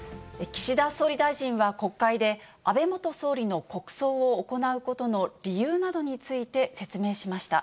岸田総理大臣は国会で、安倍元総理の国葬を行うことの理由などについて説明しました。